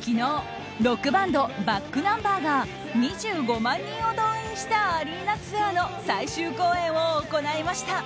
昨日、ロックバンドｂａｃｋｎｕｍｂｅｒが２５万人を動員したアリーナツアーの最終公演を行いました。